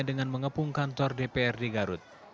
dengan mengepung kantor dpr di garut